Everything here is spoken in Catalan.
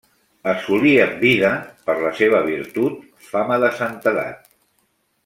Assolí en vida, per la seva virtut, fama de santedat.